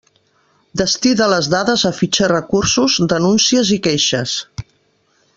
Destí de les dades a fitxer recursos, denuncies i queixes.